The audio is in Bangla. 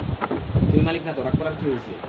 তুমি মালিক না তো, রাগা করার কি হইসে।